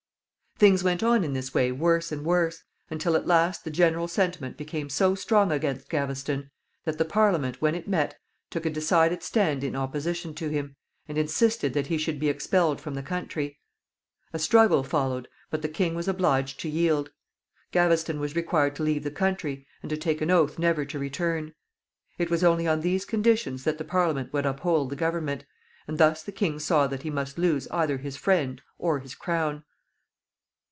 Things went on in this way worse and worse, until at last the general sentiment became so strong against Gaveston that the Parliament, when it met, took a decided stand in opposition to him, and insisted that he should be expelled from the country. A struggle followed, but the king was obliged to yield. Gaveston was required to leave the country, and to take an oath never to return. It was only on these conditions that the Parliament would uphold the government, and thus the king saw that he must lose either his friend or his crown.